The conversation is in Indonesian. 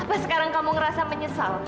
mas sekarang kamu ngerasa menyesal